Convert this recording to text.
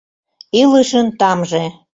ИЛЫШЫН ТАМЖЕ